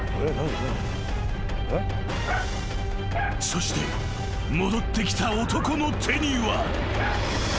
［そして戻ってきた男の手には］